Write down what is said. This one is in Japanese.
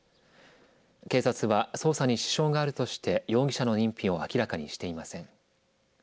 警察は捜査に支障があるとして容疑者の認否を明らかにしていません。